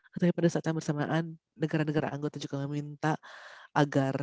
karena pada saat yang bersamaan negara negara anggota juga meminta agar